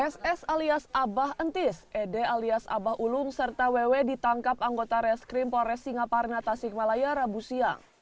ss alias abah entis ede alias abah ulum serta ww ditangkap anggota reskrim polres singaparna tasikmalaya rabu siang